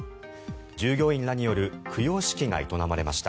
従業員らによる供養式が営まれました。